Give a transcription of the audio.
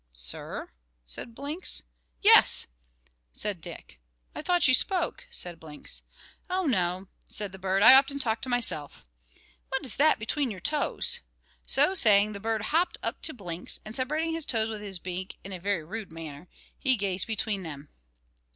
"Sir?" said Blinks. "Yes!" said Dick. "I thought you spoke," said Blinks. "Oh no," said the bird, "I often talk to myself. What is that between your toes?" So saying, the bird hopped up to Blinks, and separating his toes with his beak in a very rude manner, he gazed between them.